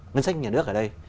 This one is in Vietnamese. ngân sách nhà nước ở đây